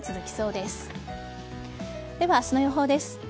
では、明日の予報です。